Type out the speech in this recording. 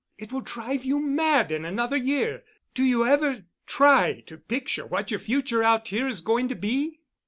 It will drive you mad in another year. Do you ever try to picture what your future out here is going to be?"